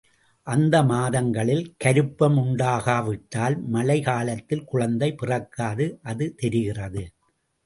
அந்த மாதங்களில் கருப்பம் உண்டாகாவிட்டால் மழை காலத்தில் குழந்தை பிறக்காது, அது தெரிகிறது.